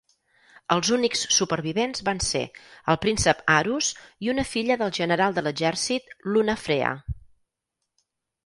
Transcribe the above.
Els únics supervivents van ser el príncep Arus i una filla del general de l'exèrcit, Lunafrea.